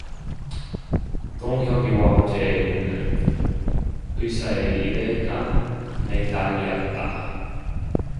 동혁이와 원재의 눈은 의사의 입에 가 매달렸다.